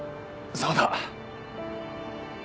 そうだ。